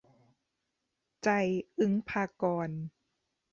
ใจ อึ๊งภากรณ์